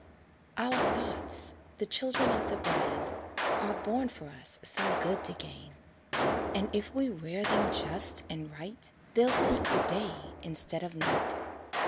Our thoughts the children of the brain Are born for us some good to gain, And if we rear them just and right, They'll seek the day instead of night.